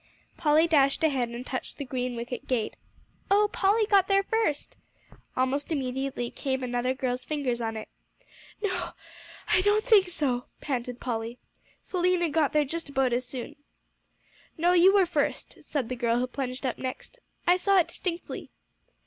Polly dashed ahead, and touched the green wicket gate. "Oh, Polly got there first!" Almost immediately came another girl's fingers on it. "No I don't think so," panted Polly. "Philena got there just about as soon." "No, you were first," said the girl who plunged up next; "I saw it distinctly."